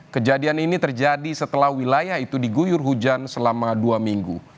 kejadian ini terjadi setelah wilayah itu diguyur hujan selama dua minggu